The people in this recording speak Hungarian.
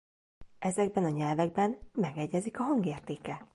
Ezekben a nyelvekben megegyezik a hangértéke.